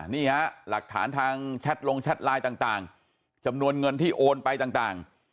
นี่ฮะหลักฐานทางแชทลงแชทไลน์ต่างจำนวนเงินที่โอนไปต่าง